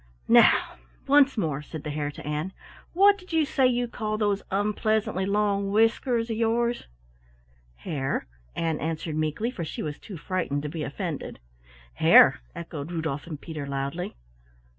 "Now once more," said the Hare to Ann. "What did you say you call those unpleasantly long whiskers of yours?" "Hair," Ann answered meekly, for she was too frightened to be offended. "Hair!" echoed Rudolf and Peter loudly.